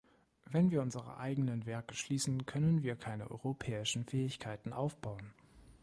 Wenn wir unsere eigenen Werke schließen, können wir keine europäischen Fähigkeiten aufbauen.